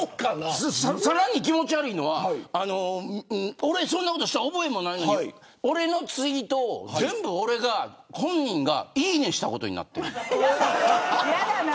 さらに気持ち悪いのは俺そんなことした覚えもないのに俺のツイートを全部、俺本人がいいねしたことになってる。